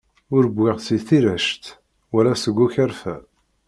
Ur wwiɣ si tirect, wala seg ukerfa.